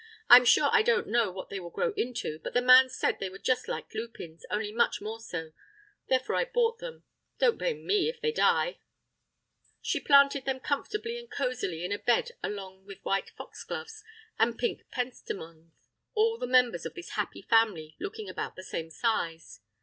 "I'm sure I don't know what they will grow into, but the man said they were just like lupins, only much more so; therefore I bought them. Don't blame me if they die." She planted them comfortably and cosily in a bed along with white foxgloves and pink pentstemons, all the members of this happy family looking about the same size.